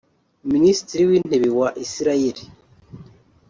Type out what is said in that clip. Minisitiri w’Intebe wa Israel